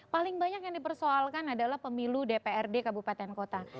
paling banyak yang dipersoalkan adalah pemilu dprd kabupaten kota